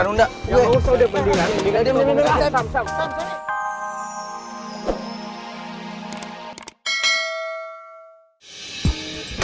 ya lo usah udah bandingan